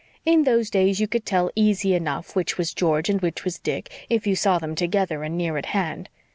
In those days you could tell easy enough which was George and which was Dick, if you saw them together and near at hand.